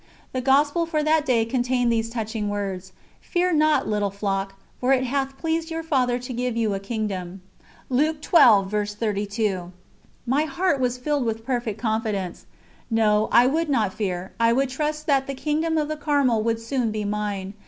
The Gospel for that day contained these touching words: "Fear not, little flock, for it hath pleased your Father to give you a Kingdom." My heart was filled with perfect confidence. No, I would not fear, I would trust that the Kingdom of the Carmel would soon be mine.